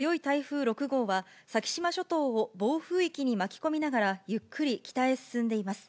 大型で強い台風６号は、先島諸島を暴風域に巻き込みながらゆっくり北へ進んでいます。